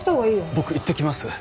僕行ってきます。